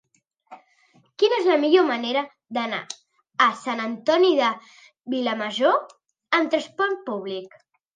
Quina és la millor manera d'anar a Sant Antoni de Vilamajor amb trasport públic?